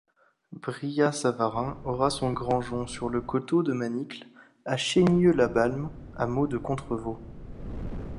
Brillat-Savarin aura son grangeon sur le coteau de Manicle, à Cheignieu-la-Balme, hameau de Contrevoz.